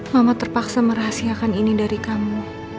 mama terpaksa merahasiakan ini dari kamu